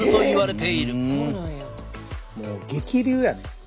もう激流やね。